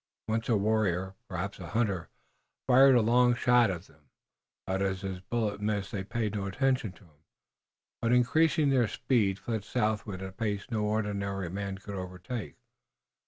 Once a warrior, perhaps a hunter, fired a long shot at them, but as his bullet missed they paid no attention to him, but, increasing their speed, fled southward at a pace no ordinary man could overtake.